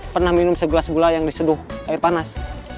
pernah minum segelas gula yang diseduh air panas